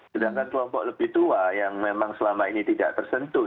sedangkan kelompok lebih tua yang memang selama ini tidak tersentuh